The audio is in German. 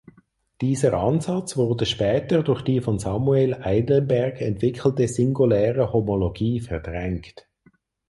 Dieser Ansatz wurde später durch die von Samuel Eilenberg entwickelte singuläre Homologie verdrängt.